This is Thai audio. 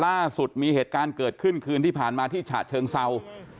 ล่าสุดมีเหตุการณ์เกิดขึ้นคืนที่ผ่านมาที่ฉะเชิงเศร้า